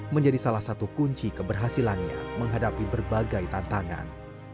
menjadi salah satu kunci keberhasilannya menghadapi berbagai tantangan